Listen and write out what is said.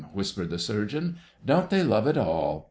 whispered the Surgeon. "Don't they love it all!